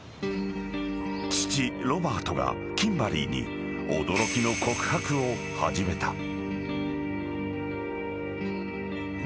［父ロバートがキンバリーに驚きの告白を始めた］